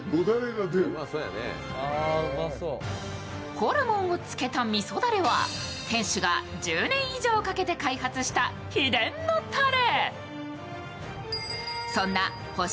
ホルモンを漬けたみそだれは、店主が１０年以上かけて開発した秘伝のタレ。